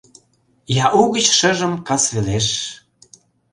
Я угыч шыжым кас велеш